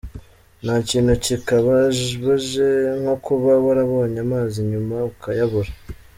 Nta kintu kibabaje nko kuba warabonye amazi nyuma ukayabura.